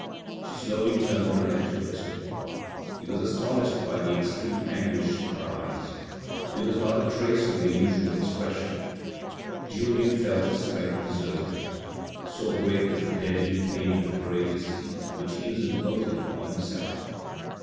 She slowly turned her head towards him. He was astonished by the extreme anguish in her eyes. There was not a trace of their usual expression. Julien felt his strength desert him. So great was the deadly pain of the courageous feat which he was imposing on himself.